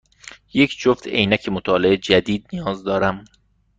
یک جفت عینک مطالعه جدید نیاز دارم.